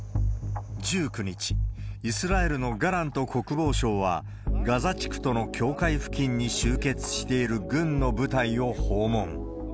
１９日、イスラエルのガラント国防相は、ガザ地区との境界付近に集結している軍の部隊を訪問。